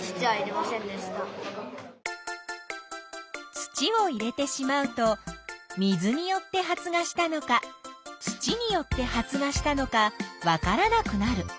土を入れてしまうと水によって発芽したのか土によって発芽したのかわからなくなる。